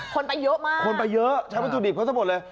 คนไปเยอะมากคนไปเยอะใช้วัตถุดิบเขาซะหมดเลย